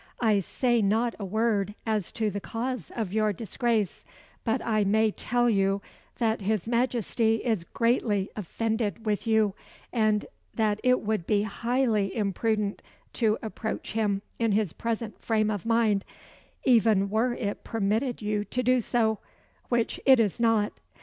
"I say not a word as to the cause of your disgrace; but I may tell you, that his Majesty is greatly offended with you, and that it would be highly imprudent to approach him in his present frame of mind, even were it permitted you to do so which it is not.